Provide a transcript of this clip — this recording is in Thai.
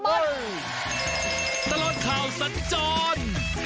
ตลอดข่าวสันจอด